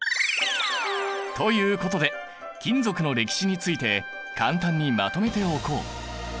ということで金属の歴史について簡単にまとめておこう。